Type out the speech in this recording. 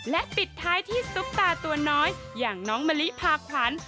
และปิดท้ายที่ซุปตาตัวน้อยอย่างน้องมะลิพาผลัน